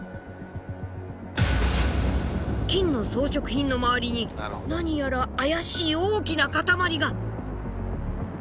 金の装飾品の周りに何やら怪しい大きな塊が。